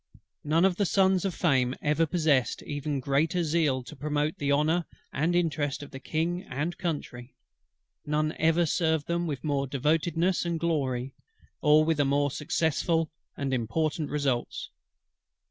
None of the sons of Fame ever possessed greater zeal to promote the honour and interest of his King and Country; none ever served them with more devotedness and glory, or with more successful and important results.